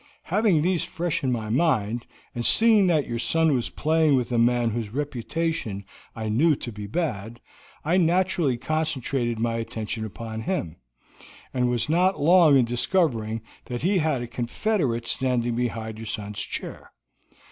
Having these fresh in my mind, and seeing that your son was playing with a man whose reputation I knew to be bad, I naturally concentrated my attention upon him, and was not long in discovering that he had a confederate standing behind your son's chair.